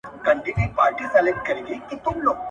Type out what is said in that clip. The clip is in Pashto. نجونې د بې نظمۍ او بد اخلاقۍ سبب ګرځي.